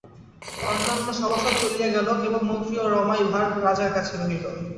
অন্যান্য সভাসদ চলিয়া গেল, কেবল মন্ত্রী ও রমাই ভাঁড় রাজার কাছে রহিল।